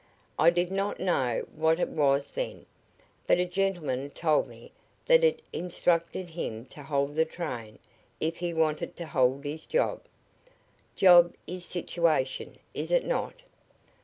I did not know what it was then, but a gentleman told me that it instructed him to hold the train if he wanted to hold his job. Job is situation, is it not?